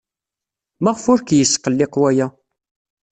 Maɣef ur k-yesqelliq waya?